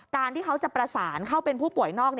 การที่เขาจะประสานเข้าเป็นผู้ป่วยนอก